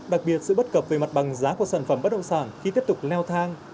đặc biệt sự bất cập về mặt bằng giá của sản phẩm bất động sản khi tiếp tục leo thang